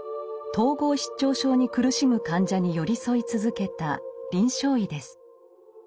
統合失調症に苦しむ患者に寄り添い続けた臨床医です。